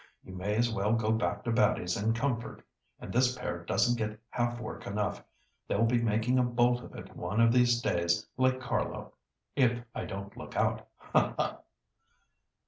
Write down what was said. You may as well go back to Batty's in comfort, and this pair doesn't get half work enough. They'll be making a bolt of it one of these days like Carlo, if I don't look out. Ha, ha!"